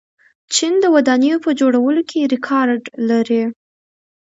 چین د ودانیو په جوړولو کې ریکارډ لري.